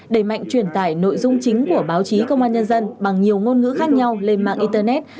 đẩy mạnh truyền tải nội dung chính của báo chí công an nhân dân bằng nhiều ngôn ngữ khác nhau lên mạng internet